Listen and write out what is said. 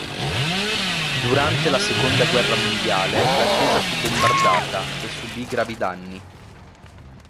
Durante la seconda guerra mondiale la chiesa fu bombardata e subì gravi danni.